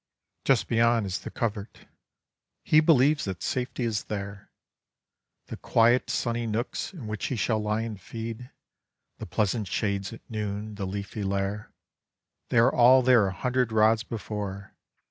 Just beyond is the covert. He believes that safety is there. The quiet sunny nooks in which he shall lie and feed, the pleasant shades at noon, the leafy lair they are all there a hundred rods before.